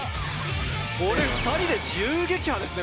これ２人で１０撃破ですね